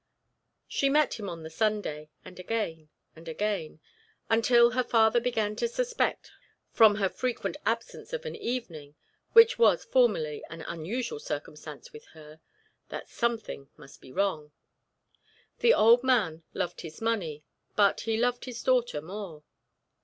She met him on the Sunday, and again and again, until her father began to suspect, from her frequent absence of an evening which was formerly an unusual circumstance with her that something must be wrong. The old man loved his money, but he loved his daughter more.